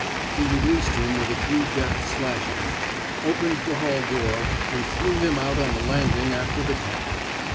He released him with a few deft slashes, opened the hall door, and threw him out on the landing after the cat.